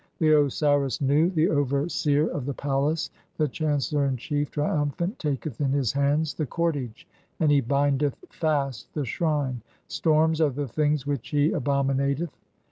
The Osiris Nu, the overseer of the "palace, the chancellor in chief, triumphant, taketh in [his] "hand[s] the cordage and he bindeth fast the shrine. Storms "are the things which he abominateth.